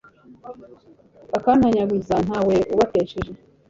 bakantanyaguza, nta we ubatesheje